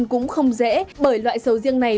cũng không dễ bởi loại sầu riêng này